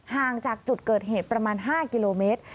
ห่างจากจุดเกิดเหตุประมาณ๕กิโลเมตร